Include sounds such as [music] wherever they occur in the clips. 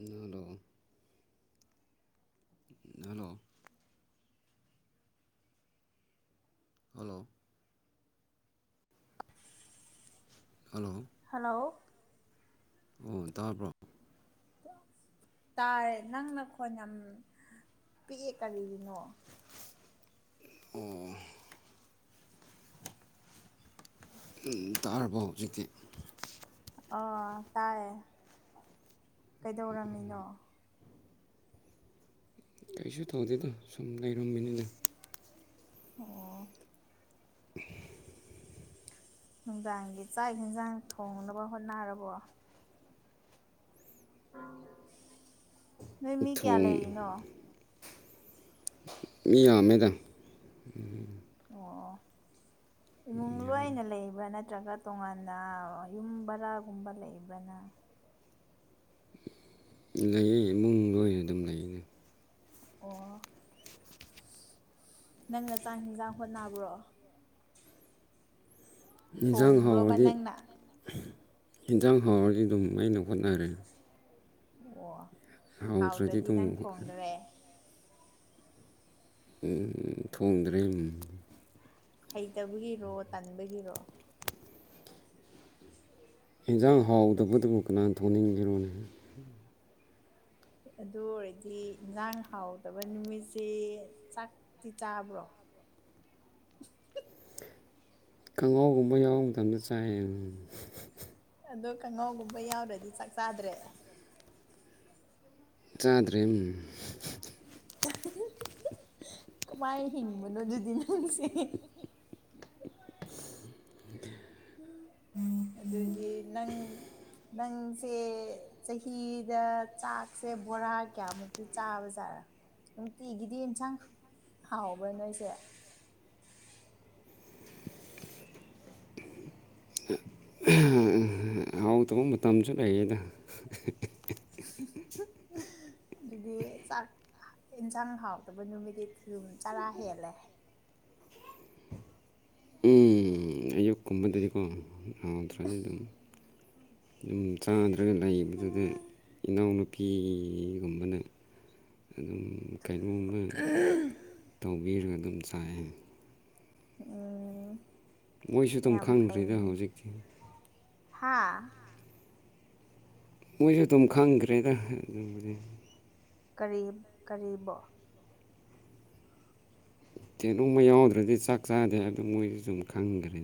ꯑꯗꯣ hello hello hello hello ꯑꯣ ꯇꯥꯔꯕ꯭ꯔꯣ ꯇꯥꯔꯦ ꯅꯪꯅ ꯈꯣꯟ ꯌꯥꯝ ꯄꯤꯛꯑꯦ ꯀꯔꯤꯒꯤꯅꯣ ꯑꯣ ꯇꯥꯔꯕ ꯍꯧꯖꯤꯛꯀꯤ ꯑ ꯇꯥꯏꯌꯦ ꯀꯩꯗꯧꯔꯝꯃꯤꯅꯣ ꯀꯩꯁꯨ ꯇꯧꯗꯦꯗꯣ ꯁꯨꯝ ꯂꯩꯔꯝꯃꯤꯅꯤꯅ ꯑꯣ [unintelligible] ꯅꯨꯡꯗꯥꯡꯒꯤ ꯆꯥꯛ ꯌꯦꯟꯁꯥꯡ ꯊꯣꯡꯅꯕ ꯍꯣꯠꯅꯔꯕꯣ ꯅꯣꯏ ꯃꯤ ꯀꯌꯥ ꯊꯣꯡ ꯂꯩꯔꯤꯅꯣ ꯃꯤ ꯑꯃꯦꯗ [unintelligible] ꯏꯨꯡ ꯇꯨꯡꯂꯥꯏꯅ ꯂꯩꯕ꯭ꯔꯥ ꯅꯠꯇ꯭ꯔꯒ ꯇꯣꯉꯥꯟꯅ ꯌꯨꯝ ꯕꯔꯥꯒꯨꯝꯕ ꯂꯩꯕ꯭ꯔꯅ ꯂꯩ ꯏꯃꯨꯡꯗ ꯑꯣꯏꯅ ꯑꯗꯨꯝ ꯂꯩꯅꯦ ꯑꯣ ꯅꯪꯅ ꯆꯥꯛ ꯌꯦꯟꯖꯥꯡ ꯍꯣꯠꯅꯕ꯭ꯔꯣ ꯌꯦꯟꯁꯥꯡ ꯊꯣꯡꯕ꯭ꯔꯣꯕ ꯍꯥꯎꯔꯗꯤ ꯅꯪꯅ ꯌꯦꯟꯁꯥꯡ ꯍꯥꯎꯔꯗꯤ ꯑꯗꯨꯝ ꯃꯩꯅ ꯍꯣꯠꯅꯔꯦ ꯑꯣ ꯍꯥꯎꯇ꯭ꯔꯗꯤ ꯅꯪ ꯊꯣꯡꯗꯣꯔꯦ ꯎ ꯊꯣꯡꯗ꯭ꯔꯦ ꯍꯩꯇꯕꯒꯤꯔꯣ ꯇꯟꯕꯒꯤꯔꯣ ꯑꯦꯟꯖꯥꯡ ꯍꯥꯎꯗꯕꯗꯕꯨ ꯀꯅꯥ ꯊꯣꯟꯅꯤꯡꯔꯣꯟꯅꯦ ꯑꯗꯨ ꯑꯣꯏꯔꯗꯤ ꯏꯟꯖꯥꯡ ꯍꯥꯎꯗꯕ ꯅꯨꯃꯤꯠꯁꯦ ꯆꯥꯛꯇꯤ ꯆꯥꯕ꯭ꯔꯣ [unintelligible] ꯈꯍꯥꯎꯒꯨꯝꯕ ꯌꯥꯎꯕ ꯃꯇꯝꯗ ꯆꯥꯏꯌꯦ ꯑꯗꯣ ꯀꯥꯡꯉꯥꯎꯒꯨꯝꯕ ꯌꯥꯎꯔꯗꯤ ꯆꯥꯛ ꯆꯥꯗ꯭ꯔꯦ ꯆꯥꯗ꯭ꯔꯦ ꯀꯃꯥꯏ ꯍꯤꯡꯕꯅꯣ ꯑꯗꯨꯗꯤ ꯅꯪꯁꯦ [unintelligible] ꯑꯗꯨꯗꯤ ꯅꯪ ꯅꯪꯁꯦ ꯆꯍꯤꯗ ꯆꯥꯛꯁꯦ ꯕꯣꯔꯥ ꯀꯌꯥꯃꯨꯛꯇꯤ ꯆꯥꯕꯖꯥꯠꯔꯥ ꯅꯨꯡꯇꯤꯒꯤꯗꯤ ꯑꯦꯟꯁꯥꯡ ꯍꯥꯎꯕ꯭ꯔꯥ ꯅꯣꯏꯁꯦ [unintelligible] ꯍꯥꯎ ꯇꯧꯕ ꯃꯇꯝꯁꯨ ꯂꯩꯌꯦꯗ [unintelligible] ꯑꯗꯨꯗꯤ ꯆꯥꯛ ꯌꯦꯟꯁꯥꯡ ꯍꯥꯎꯇꯕ ꯅꯨꯃꯤꯠ ꯑꯗꯨꯝ ꯆꯔꯥ ꯍꯦꯜꯂꯦ ꯌꯥꯗ꯭ꯔꯗꯤ ꯑꯗꯨꯝ ꯑꯗꯨꯝ ꯆꯥꯗ꯭ꯔꯒ ꯂꯩꯕꯗꯨꯗ ꯏꯅꯥꯎꯅꯨꯄꯤ ꯅꯨꯅꯥꯄꯤꯒꯨꯝꯕꯅ ꯑꯗꯨꯝ ꯀꯩꯅꯣꯝꯃ ꯇꯧꯕ ꯕꯤꯔꯒꯒꯟꯁꯑ ꯎꯝ ꯃꯣꯏꯁꯨ ꯑꯗꯨꯝ ꯌꯥꯝ ꯈꯪꯗ꯭ꯔꯤꯗ ꯍꯧꯖꯤꯛꯇꯤ ꯍꯥꯥ ꯃꯣꯏꯁꯨ ꯑꯗꯨꯝ ꯈꯪꯈ꯭ꯔꯦꯗ ꯀ ꯀꯔꯤꯕꯣ ꯀꯩꯅꯣꯝꯃ ꯌꯥꯎꯗ꯭ꯔꯗꯤ ꯆꯥꯛ ꯆꯥꯗꯦ ꯍꯥꯏ ꯑꯗꯨꯗ ꯃꯣꯏꯁꯨ ꯁꯨꯝ ꯈꯪꯈ꯭ꯔꯦ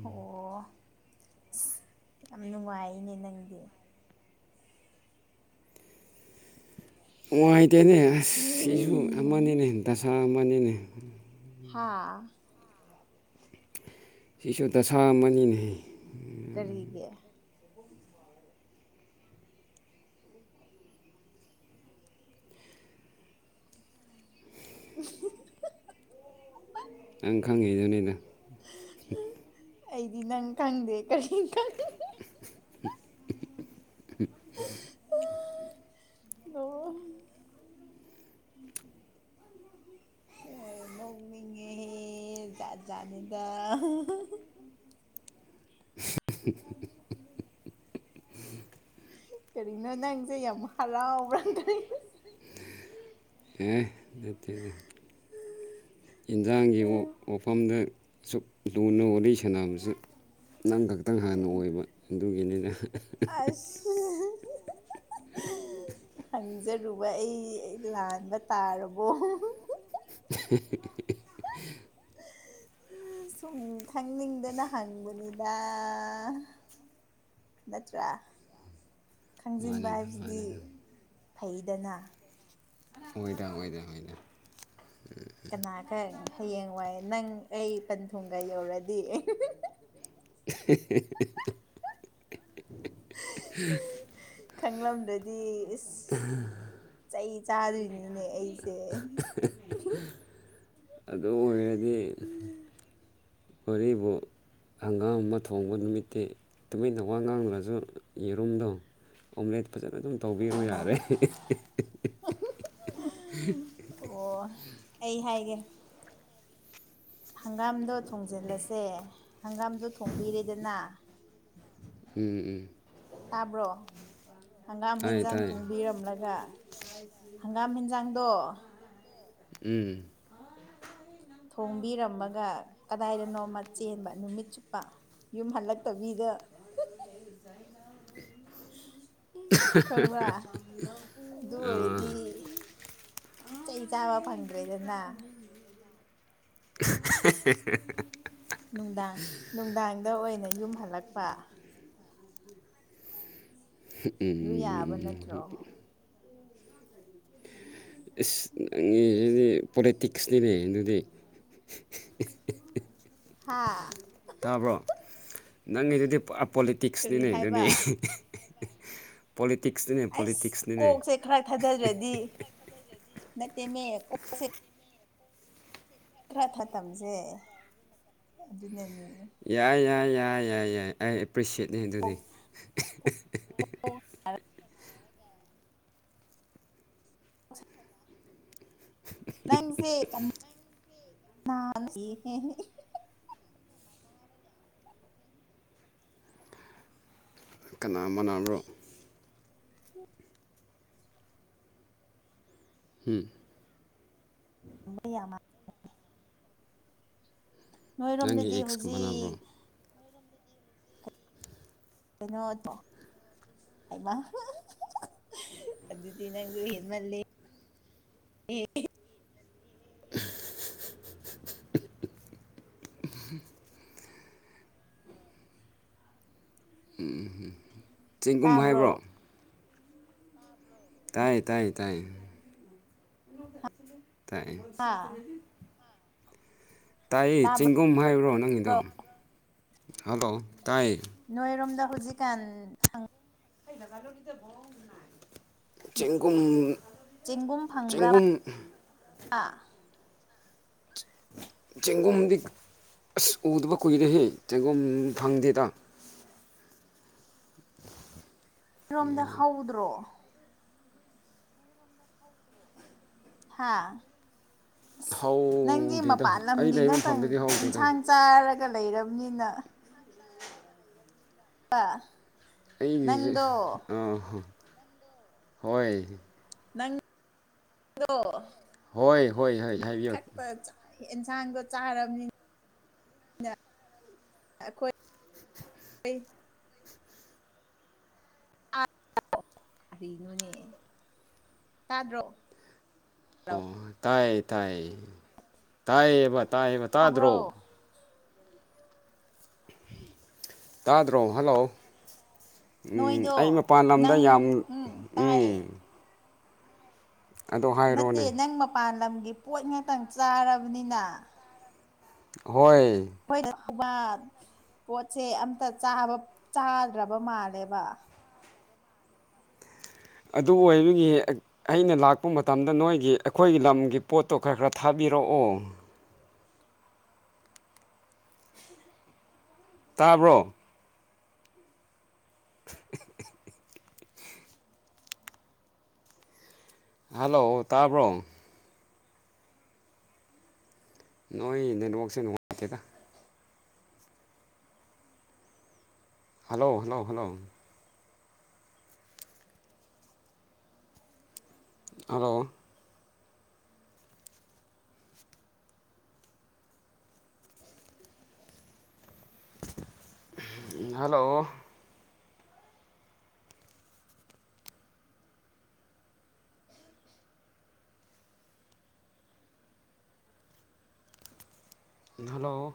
ꯑꯣ ꯑꯁ ꯌꯥꯝ ꯅꯨꯡꯉꯥꯏꯅꯦ ꯅꯪꯗꯤ ꯅꯨꯡꯉꯥꯏꯇꯦꯅꯦ ꯑꯁ ꯁꯤꯁꯨ ꯑꯃꯅꯤꯅꯦ ꯗꯁꯥ ꯑꯃꯅꯤꯅꯦ ꯍꯥꯥ ꯁꯤꯁꯨ ꯗꯁꯥꯝ ꯑꯃꯅꯤꯅꯦ ꯀꯔꯤꯒꯤ [unintelligible] ꯑꯪ ꯈꯪꯍꯩꯖꯅꯤꯗ ꯑꯩꯗꯤ ꯅꯪ ꯈꯪꯗꯦ ꯀꯔꯤ ꯈꯪꯉꯦ [unintelligible] ꯑꯣ ꯀ ꯅꯣꯛꯅꯤꯡꯉꯦꯍꯦ ꯖꯥꯠ ꯥꯠꯅꯤꯗ [unintelligible] ꯀꯔꯤꯅꯣ ꯅꯪꯁ ꯌꯥꯝ ꯍꯔꯥꯎꯔ ꯀꯔꯤ ꯅꯠꯇꯅ ꯏꯟꯖꯥꯡꯒꯤ ꯋꯥꯐꯝꯗ ꯑꯁꯨꯛ ꯂꯨꯅ ꯋꯥꯔꯤꯠꯂꯤ ꯁꯥꯟꯅꯕꯁꯨ ꯅꯪ ꯈꯛꯇꯪ ꯍꯥꯟꯅ ꯑꯣꯏꯕ ꯑꯗꯨꯒꯤꯅꯤꯅ ꯑꯁ ꯍꯪꯖꯔꯨꯕ ꯑꯩ ꯂꯥꯟꯕ ꯇꯥꯔꯕꯣ ꯍ ꯁꯨꯝ ꯈꯪꯅꯤꯡꯗꯅ ꯍꯪꯕꯅꯤꯗ ꯅꯠꯇ꯭ꯔꯥ ꯈꯪꯖꯤꯟꯕ ꯃꯥꯅꯤꯗ ꯍꯥꯏꯕꯁꯤꯗꯤ ꯃꯥꯅꯤꯗ ꯐꯩꯗꯅ ꯑꯣꯏꯗ ꯑꯣꯏꯗ ꯍꯗ ꯀꯅꯥꯒ ꯍꯌꯦꯡ ꯋꯥꯏꯦ ꯅꯪ ꯑꯩ ꯄꯟꯊꯨꯡꯒ ꯌꯧꯔꯗꯤ [unintelligible] ꯈꯪꯗꯗꯤ ꯏꯁꯁ ꯆꯩ ꯆꯥꯗꯣꯏꯅꯤꯅꯦ ꯑꯩꯁ ꯦ ꯑꯗꯨ ꯑꯣꯏꯔꯗꯤ ꯍꯔꯤꯕꯨ ꯍꯪꯒꯥꯝ ꯑꯃ ꯊꯣꯡꯕ ꯅꯨꯃꯤꯠꯇꯤ ꯇꯨꯃꯤꯟꯅ ꯋꯥ ꯉꯥꯡꯗ꯭ꯔꯁꯨ ꯌꯦꯔꯨꯝꯗꯣ ꯑꯣꯝꯂꯦꯠ ꯐꯖꯅ ꯑꯗꯨꯝ ꯇꯧꯕꯤꯔꯣ ꯌꯥꯔꯦ ꯑꯣ [unintelligible] ꯑꯩ ꯍꯥꯏꯒꯦ ꯍꯪꯒꯥꯝꯗꯣ ꯊꯣꯡꯖꯤꯜꯂꯁꯦ ꯍꯪꯒꯥꯝꯗꯣ ꯊꯣꯡꯕꯤꯔꯦꯗꯅ ꯎꯝ ꯎꯝ ꯇꯥꯕ꯭ꯔꯣ ꯍꯪꯒꯥꯝ ꯇꯥꯏ ꯍꯦꯟꯖꯥꯡ ꯇꯥꯏ ꯊꯣꯡꯕꯤꯔꯝꯂꯒ ꯍꯪꯒꯥꯝ ꯍꯦꯟꯖꯥꯡ ꯗꯣ ꯎꯝ ꯊꯣꯡꯕꯤꯔꯝꯃꯒ ꯀꯗꯥꯏꯗꯅꯣꯃ ꯆꯦꯟꯕ ꯅꯨꯃꯤꯠ ꯆꯨꯞꯄ ꯌꯨꯝ ꯍꯜꯂꯛꯇꯤꯗ ꯇ [unintelligible] [inaudible] ꯈꯪꯕ꯭ꯔꯥ ꯑꯥ ꯑꯗꯨ ꯑꯣꯏꯔꯗꯤ [unintelligible] ꯆꯩ ꯆꯥꯕ ꯐꯪꯗ꯭ꯔꯦꯗꯅ [unintelligible] ꯅꯨꯡꯗꯥꯡ ꯅꯨꯡꯗꯥꯡꯗ ꯑꯣꯏꯅ ꯌꯨꯝ ꯍꯜꯂꯛꯄ ꯑꯗꯨ ꯌꯥꯕ ꯎꯝ ꯅꯠꯇ꯭ꯔꯣ ꯎꯝ ꯏꯁ ꯅꯪꯒꯤꯁꯤꯗꯤ ꯄꯣꯂꯤꯇꯤꯛꯁꯅꯤꯅꯦ ꯑꯗꯨꯗꯤ [unintelligible] ꯍꯥꯥ ꯇꯥꯕ꯭ꯔꯣ ꯅꯪꯒꯤꯗꯨꯗꯤ ꯄꯣꯔꯥ ꯀꯔꯤ ꯄꯣꯂꯤꯇꯤꯛꯁꯅꯤꯅꯦ ꯍꯥꯏꯕ ꯑꯗꯨꯗꯤ ꯄꯣꯂꯤ ꯑꯁ ꯀꯣꯛꯁꯦ ꯈꯔ ꯊꯥꯗꯗ꯭ꯔꯗꯤ ꯅꯠꯇꯦꯅꯦ ꯀꯣꯛꯁꯦ ꯈꯔ ꯊꯇꯝꯁꯦ ꯑꯗꯨꯅꯅꯤ ꯌꯥꯏ ꯌꯥꯏ ꯌꯥꯏ ꯌꯥꯏ ꯌꯥꯏ ꯑꯩ ꯑꯦꯄ꯭ꯔꯤꯁꯦꯠꯅꯤ ꯑꯗꯨꯗꯤ ꯀꯣꯛ ꯑ ꯅꯪꯁꯦ ꯀꯅꯥ [unintelligible] ꯀꯅꯥ ꯑꯃꯅꯥ ꯑꯃ꯭ꯔꯣ ꯎꯝ ꯃ ꯌꯥꯃ ꯅꯪꯒꯤ ꯅꯣꯏꯔꯣꯝꯗꯗꯤ ꯑꯦꯛꯁꯀ ꯃꯥꯟꯅꯕ꯭ꯔꯣ ꯍꯧꯖꯤꯛ ꯩ [unintelligible] ꯅꯣꯠꯇꯣ ꯍꯩꯃꯥ ꯑꯗꯨꯗꯤ ꯅꯪꯁꯨ ꯍꯦꯟꯃꯜꯂꯦ [inaudible] [inaudible] ꯎꯝ ꯎꯝ ꯎꯝ ꯆꯦꯡꯒꯨꯝ ꯇꯥꯕ꯭ꯔꯣ ꯍꯥꯏꯕ꯭ꯔꯣ ꯇꯥꯏ ꯇꯥꯏ ꯇꯥꯏ ꯇꯥꯏꯌꯦ ꯍꯥ ꯇꯥꯏ ꯇꯥꯕ꯭ꯔꯣ ꯆꯦꯡꯒꯨꯝ ꯍꯥꯏꯕ꯭ꯔꯣ ꯅꯪꯒꯤꯗꯣ ꯍꯜꯂꯣ ꯇꯥꯏ ꯅꯣꯏꯔꯣꯝꯗ ꯍꯧꯖꯤꯛꯀꯥꯟ [unintelligible] ꯆꯦꯡꯒꯨꯝ ꯆꯦꯡꯒꯨꯝ ꯐꯪꯕ꯭ꯔꯥ ꯆꯦꯡꯒꯨꯝ ꯆꯦꯡꯒꯨꯝꯗꯤ ꯑꯁ ꯎꯗꯕ ꯀꯨꯏꯔꯦꯍꯦ ꯆꯦꯡꯒꯨꯝ ꯐꯪꯗꯦꯗ ꯏꯔꯣꯝꯗ ꯍꯧꯗ꯭ꯔꯣ ꯍꯥꯥ ꯑꯁ ꯅꯪꯒꯤ ꯍꯧꯗꯦꯗ ꯃꯄꯥꯟ ꯑꯩ ꯂꯝꯒꯤ ꯂꯩꯕ ꯉꯥꯛꯇꯪ ꯃꯐꯝꯗꯗꯤ ꯍꯧꯗꯦꯗ ꯏꯟꯁꯥꯡ ꯆꯥꯔꯒ ꯀ ꯂꯩꯔꯕꯅꯤꯅ ꯑ ꯑꯩ ꯑ ꯍꯣꯏ ꯅꯪꯗꯣ ꯍꯣꯏ ꯍꯣꯏ ꯍꯣꯏ ꯍꯥꯏꯕꯤꯌꯨ ꯏꯟꯁꯥꯡꯗꯣ ꯆꯥꯔꯕꯅꯤ ꯑꯩꯈꯣꯏ ꯀꯔꯤꯅꯣꯅꯦ ꯇꯥꯗ꯭ꯔꯣ ꯑꯣ ꯇꯥꯏ ꯇꯥꯏ ꯇꯥꯏꯌꯦꯕ ꯇꯥꯏꯌꯦꯕ ꯇꯥꯗ꯭ꯔꯣ ꯇꯥꯕ꯭ꯔꯣ ꯇꯥꯗ꯭ꯔꯣ ꯍꯜꯂꯣ ꯎꯝ ꯅꯣꯏꯗꯣ ꯑꯩ ꯃꯄꯥꯟ ꯂꯝꯗ ꯅꯪ ꯌꯥꯝ ꯎꯝ ꯎꯝ ꯇꯥꯏꯌꯦ ꯑꯗꯣ ꯅꯠꯇꯦ ꯍꯥꯏꯔꯣꯅꯦ ꯅꯪ ꯃꯄꯥꯟ ꯂꯝꯒꯤ ꯄꯣꯠ ꯉꯥꯛꯇꯪ ꯆꯥꯔꯕꯅꯤꯅ ꯍꯣꯏ [unintelligible] ꯄꯣꯠꯁꯦ ꯑꯝꯇ ꯆꯥꯕ ꯆꯥꯗ꯭ꯔꯕ ꯃꯥꯜꯂꯦꯕ꯫ ꯑꯗꯨ ꯑꯣꯏꯕꯒꯤ ꯑꯛ ꯑꯩꯅ ꯂꯥꯛꯄ ꯃꯇꯝꯗ ꯅꯣꯏꯒꯤ ꯑꯈꯣꯏꯒꯤ ꯂꯝꯒꯤ ꯄꯣꯠꯇꯣ ꯈꯔ ꯈꯔ ꯊꯥꯕꯤ ꯄꯤꯔꯣꯑꯣ ꯇꯥꯕ꯭ꯔꯣ [unintelligible] ꯍꯜꯂꯣ ꯇꯥꯕ꯭ꯔꯣ ꯅꯣꯏ ꯅꯦꯠꯋꯛꯁꯦ ꯅꯨꯡꯉꯥꯏꯇꯦꯗ꯫ Hello hello hello hello [unintelligible] hello hello [unintelligible]